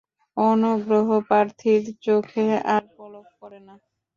অনুগ্রহপ্রার্থীর চোখে আর পলক পড়ে না।